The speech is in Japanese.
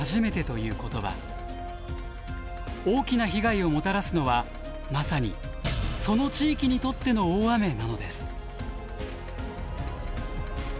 大きな被害をもたらすのはまさにその地域にとっての大雨なのです。